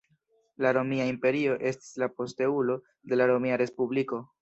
La romia imperio estis la posteulo de la Romia Respubliko.